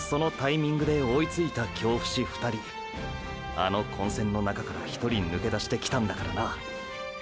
あの混戦の中から１人抜け出してきたんだからな。